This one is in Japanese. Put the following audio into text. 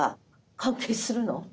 関係するの？